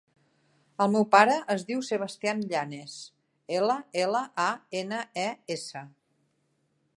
El meu pare es diu Sebastian Llanes: ela, ela, a, ena, e, essa.